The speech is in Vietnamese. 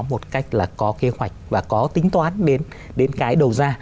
một cách là có kế hoạch và có tính toán đến cái đầu ra